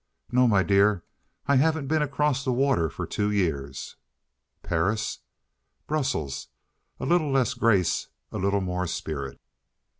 "No, my dear. I haven't been across the water for two years." "Paris?" "Brussels. A little less grace; a little more spirit."